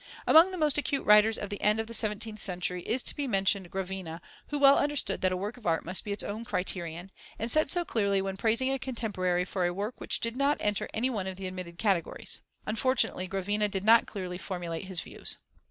Among the most acute writers of the end of the seventeenth century is to be mentioned Gravina, who well understood that a work of art must be its own criterion, and said so clearly when praising a contemporary for a work which did not enter any one of the admitted categories. Unfortunately Gravina did not clearly formulate his views.